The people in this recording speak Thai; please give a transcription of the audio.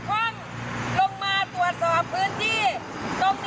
ลงมาตรวจสอบพื้นที่